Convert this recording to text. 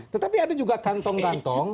tetapi ada juga kantong kantong